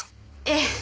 ええ。